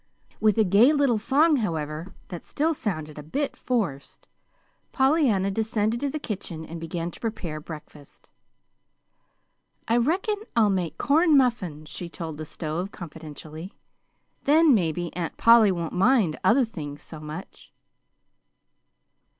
With a gay little song, however, that still sounded a bit forced Pollyanna descended to the kitchen and began to prepare breakfast. "I reckon I'll make corn muffins," she told the stove confidentially; "then maybe Aunt Polly won't mind other things so much."